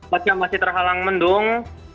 pas yang masih terhalang mendung